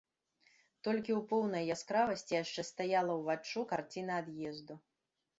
Толькі ў поўнай яскравасці яшчэ стаяла ўваччу карціна ад'езду.